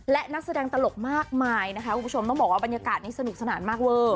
และนักแสดงตลกมากมายนะคะคุณผู้ชมต้องบอกว่าบรรยากาศนี้สนุกสนานมากเวอร์